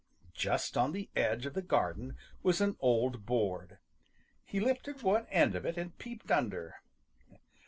Just on the edge of the garden was an old board. He lifted one end of it and peeped under.